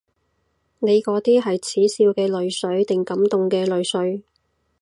你嗰啲係恥笑嘅淚水定感動嘅淚水？